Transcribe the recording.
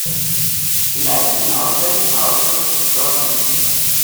Sie leitet den Auswärtigen Ausschuss des Stortings.